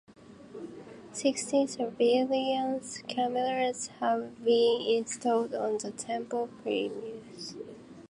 Sixteen surveillance cameras have been installed on the temple premises.